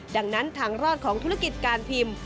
ดังนั้นทางรอดของธุรกิจการพิมพ์